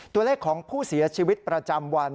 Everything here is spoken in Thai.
ตัวเลขของผู้เสียชีวิตประจำวัน